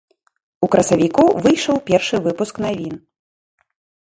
У красавіку выйшаў першы выпуск навін.